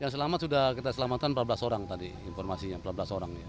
yang selamat sudah kita selamatkan empat belas orang tadi informasinya empat belas orang